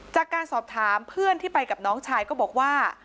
จากการสอบถามเพื่อนที่ไปกับน้องชายก็บอกว่า